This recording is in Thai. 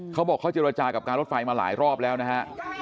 เขาบอกเขาเจรจากับการรถไฟมาหลายรอบแล้วนะฮะ